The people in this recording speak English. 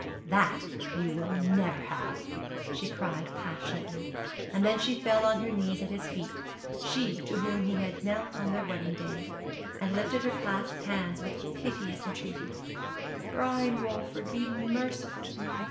'That you never will have,' she cried passionately; and then she fell on her knees at his feet she to whom he had knelt on their wedding day and lifted her clasped hands with piteous entreaty, 'Brian Walford, be merciful to me.